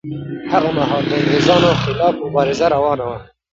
هغه مهال د انګریزۍ خلاف مبارزه روانه وه.